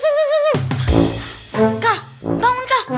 setelah kau dia ditinggal